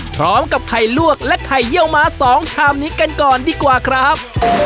พร้อมกับไข่ลวกและไข่เยี่ยวม้า๒ชามนี้กันก่อนดีกว่าครับ